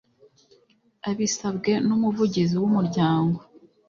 abisabwe n umuvugizi w umuryango